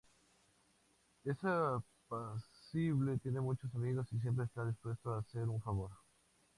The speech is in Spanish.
Es apacible, tiene muchos amigos y siempre está dispuesto a hacer un favor.